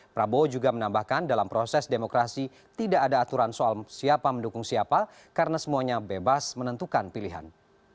prabowo juga menambahkan dalam proses demokrasi tidak ada aturan soal siapa mendukung siapa karena semuanya bebas menentukan pilihan